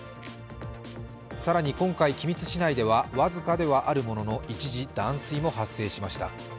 更に、今回君津市内では僅かではあるものの、一時、断水も発生しました。